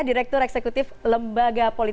direktur eksekutif lembaga pemerintahan jokowi jk